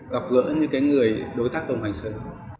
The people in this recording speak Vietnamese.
gặp gỡ những người đối tác công hành sớm